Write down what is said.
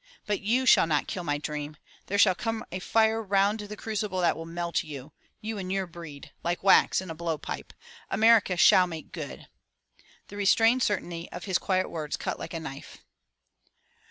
But you shall not kill my dream. There shall come a fire round the crucible that will melt you — ^you and your breed — like wax in a blow pipe. America shall make good!" The restrained certainty of his quiet words cut like a knife.